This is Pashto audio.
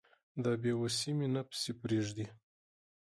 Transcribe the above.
دا بې وسي مي نه پسې پرېږدي